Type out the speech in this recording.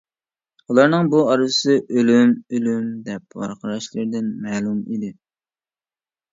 ئۇلارنىڭ بۇ ئارزۇسى «ئۆلۈم، ئۆلۈم! » دەپ ۋارقىراشلىرىدىن مەلۇم ئىدى.